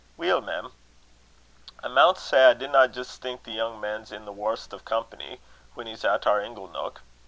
"Weel, mem, I maun say I dinna jist think the young man's in the warst o' company, when he's at our ingle neuk.